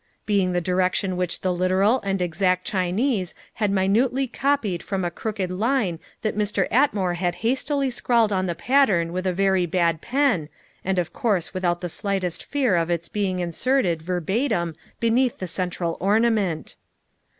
being the direction which the literal and exact Chinese had minutely copied from a crooked line that Mr. Atmore had hastily scrawled on the pattern with a very bad pen, and of course without the slightest fear of its being inserted verbatim beneath the central ornament.